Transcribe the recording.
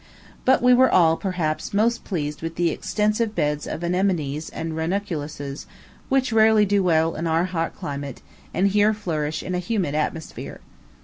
But we were all, perhaps, most pleased with the extensive beds of anemones and ranunculuses, which rarely do well in our hot climate, and here flourish in a humid atmosphere.